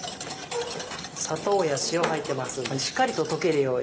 砂糖や塩入ってますんでしっかりと溶けるように。